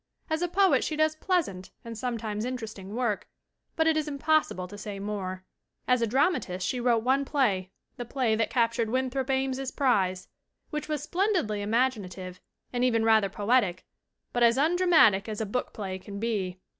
As a poet she does pleasant and sometimes interesting work, but it is impossible to say more. As a dramatist she wrote one play the play that captured Winthrop Ames's prize which was splendidly imaginative and even rather poetic, but as undramatic as a "book play" can be.